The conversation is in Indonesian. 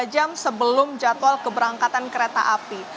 tiga jam sebelum jadwal keberangkatan kereta api